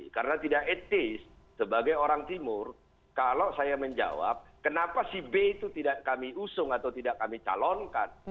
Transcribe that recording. karena tidak etis sebagai orang timur kalau saya menjawab kenapa si b itu tidak kami usung atau tidak kami calonkan